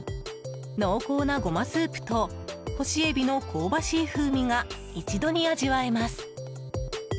濃厚なゴマスープと干しエビの香ばしい風味が一度に味わえます。